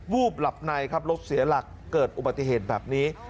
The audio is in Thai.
วูบหลับในครับรถเสียหลักเกิดอุบัติเหตุแบบนี้